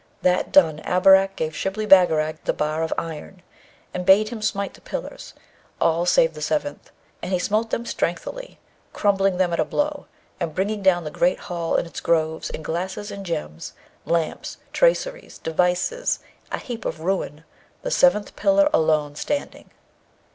That done, Abarak gave Shibli Bagarag the bar of iron, and bade him smite the pillars, all save the seventh; and he smote them strengthily, crumbling them at a blow, and bringing down the great hall and its groves, and glasses and gems, lamps, traceries, devices, a heap of ruin, the seventh pillar alone standing.